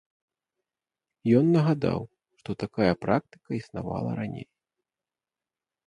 Ён нагадаў, што такая практыка існавала раней.